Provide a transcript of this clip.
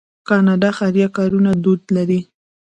کاناډا د خیریه کارونو دود لري.